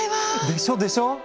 でしょでしょ！